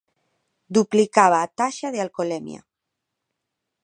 Duplicaba a taxa de alcolemia.